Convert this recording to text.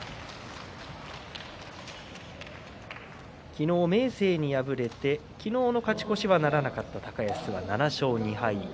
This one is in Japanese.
昨日、明生に敗れて昨日の勝ち越しはならなかった高安が７勝２敗。